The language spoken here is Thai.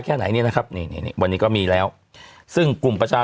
แค่ไหนเนี่ยนะครับนี่นี่วันนี้ก็มีแล้วซึ่งกลุ่มประชา